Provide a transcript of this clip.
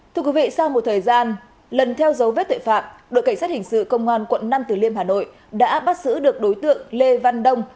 thưa quý vị sau một thời gian lần theo dấu vết tội phạm đội cảnh sát hình sự công an quận năm từ liêm hà nội đã bắt giữ được đối tượng lê văn đông